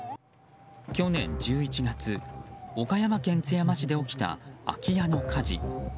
去年１１月、岡山県津山市で起きた空き家の火事。